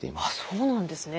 そうなんですね。